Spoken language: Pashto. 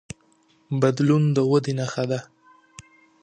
بدلون د ودې نښه ده.